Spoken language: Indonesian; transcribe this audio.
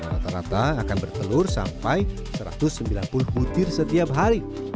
rata rata akan bertelur sampai satu ratus sembilan puluh butir setiap hari